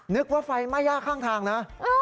นึกว่าไฟไหม้ย่าข้างทางนะ